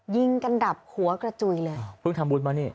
ยิงกันดับหัวกระจุยเลยอ้าวเพิ่งทำบุญมานี่